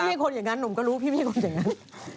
มีคนอย่างนั้นหนุ่มก็รู้พี่ไม่ใช่คนอย่างนั้น